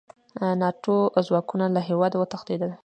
ناټو ځواکونه له هېواده وتښتېدل.